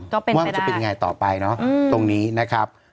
ก็ว่ามันจะเป็นยังไงต่อไปเนาะตรงนี้นะครับ